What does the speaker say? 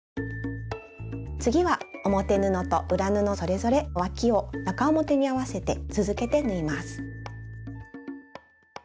次は表布と裏布それぞれわきを中表に合わせて続けて縫います。